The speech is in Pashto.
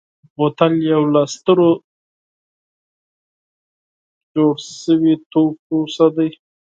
بوتل یو له سترو تولیدي توکو څخه دی.